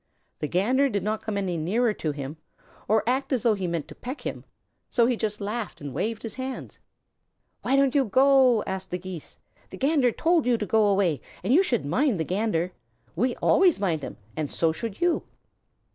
The Gander did not come any nearer to him or act as though he meant to peck him, so he just laughed and waved his hands. "Why don't you go?" asked the Geese. "The Gander told you to go away, and you should mind the Gander. We always mind him, and so should you."